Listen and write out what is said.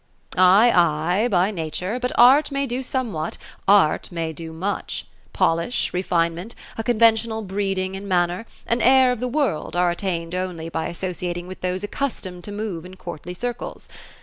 " Ay, ay, by nature. But art may do somewhat. Art may do much. Polish, refinement ; a conventional brecdincv in manner ; an air of the world ;— are attained only by associating with those accustomed to move in courtly circles.